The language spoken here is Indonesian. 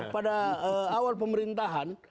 pada awal pemerintahan